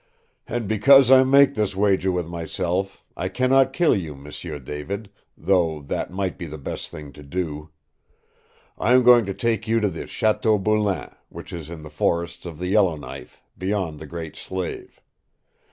"And because I make this wager with myself, I cannot kill you, M'sieu David though that might be the best thing to do. I am going to take you to the Chateau Boulain, which is in the forests of the Yellowknife, beyond the Great Slave.